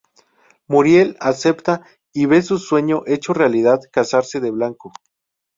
Muriel acepta y ve su sueño hecho realidad: casarse de blanco.